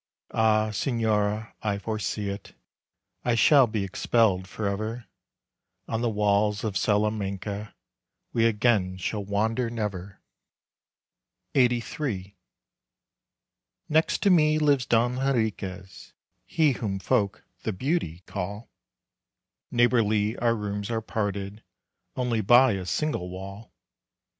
Ah, Señora, I foresee it! I shall be expelled forever, On the walls of Salamanca, We again shall wander never! LXXXIII. Next to me lives Don Henriquez, He whom folk "the beauty" call; Neighborly our rooms are parted Only by a single wall.